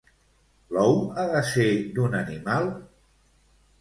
L'ou ha de ser d'un animal?